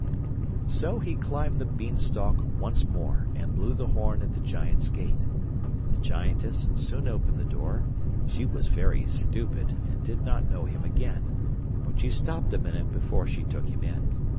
So he climbed the Beanstalk once more, and blew the horn at the Giant's gate. The Giantess soon opened the door; she was very stupid, and did not know him again, but she stopped a minute before she took him in.